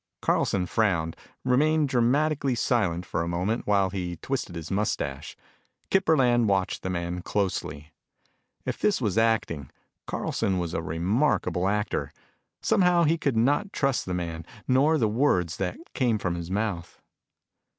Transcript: Carlson frowned, remained dramatically silent for a moment while he twisted his mustache. Kip Burland watched the man closely. If this was acting, Carlson was a remarkable actor. Somehow, he could not trust the man nor the words that came from his mouth.